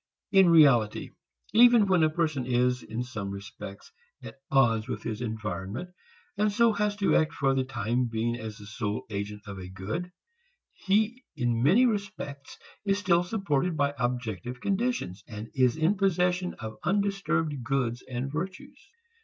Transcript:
In reality, even when a person is in some respects at odds with his environment and so has to act for the time being as the sole agent of a good, he in many respects is still supported by objective conditions and is in possession of undisturbed goods and virtues.